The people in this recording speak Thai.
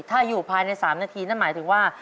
ถ้าอยู่ภายใน๓นาทีนั่นหมายถึงว่า